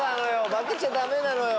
負けちゃダメなのよ。